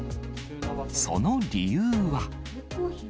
その理由は。